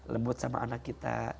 lembut sama anak kita